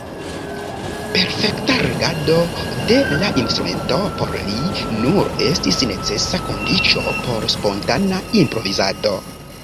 Perfekta regado de la instrumento por li nur estis necesa kondiĉo por spontana improvizado.